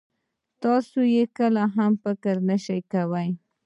تاسې يې کله هم فکر نه شئ کولای.